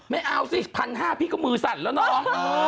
ไม่เอาสิ๑๕๐๐บาทพี่ก็มือสั่นแล้วน้อง